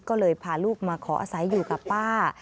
ก็เลยพาลูกมาขออาศัยอยู่กับป้า